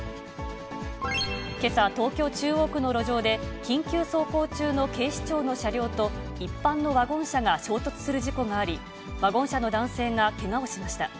けさ、東京・中央区の路上で、緊急走行中の警視庁の車両と一般のワゴン車が衝突する事故があり、ワゴン車の男性がけがをしました。